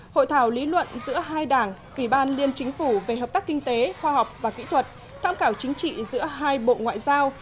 hội thảo lý luận giữa hai đảng ủy ban liên chính phủ về hợp tác kinh tế khoa học và kỹ thuật tham khảo chính trị giữa hai bộ ngoại giao